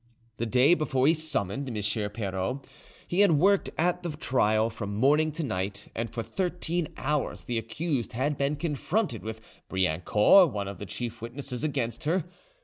The day before he summoned M. Pirot, he had worked at the trial from morning to night, and for thirteen hours the accused had been confronted with Briancourt, one of the chief witnesses against her.